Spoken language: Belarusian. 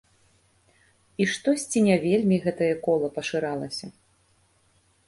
І штосьці не вельмі гэтае кола пашыралася.